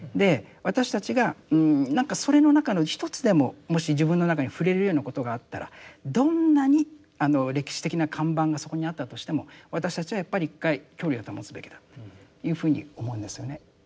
私たちがなんかそれの中の一つでももし自分の中に触れるようなことがあったらどんなに歴史的な看板がそこにあったとしても私たちはやっぱり一回距離を保つべきだというふうに思うんですよね。